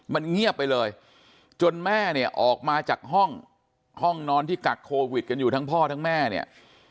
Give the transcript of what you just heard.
มันเงียบไปเลยจนแม่เนี่ยออกมาจากห้องห้องนอนที่กักโควิดกันอยู่ทั้งพ่อทั้งแม่เนี่ย